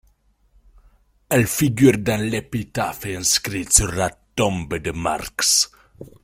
Elle figure dans l'épitaphe inscrite sur la tombe de Marx.